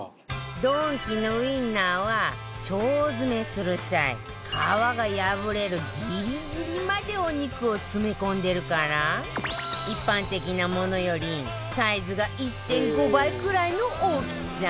ドンキのウインナーは腸詰めする際皮が破れるギリギリまでお肉を詰め込んでるから一般的なものよりサイズが １．５ 倍くらいの大きさ